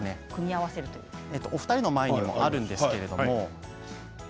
お二人の前にもあるんですけれども。